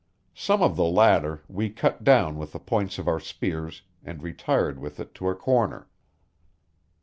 Some of the latter we cut down with the points of our spears and retired with it to a corner.